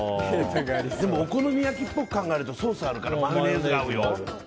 でもお好み焼きっぽく考えるとソースがあるからマヨネーズが合うよ。